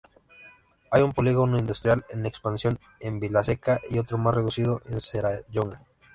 Hay un polígono industrial en expansión en Vilaseca, y otro más reducido en Serrallonga.